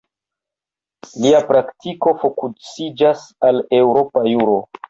Lia praktiko fokusiĝas al eŭropa juro.